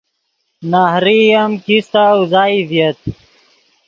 نہریئی ام کیستہ اوزائی ڤییت